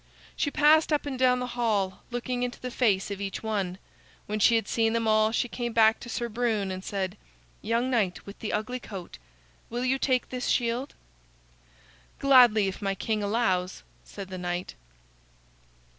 She passed up and down the hall, looking into the face of each one. When she had seen them all she came back to Sir Brune and said: "Young Knight with the Ugly Coat, will you take this shield?" "Gladly, if my king allows," said the knight.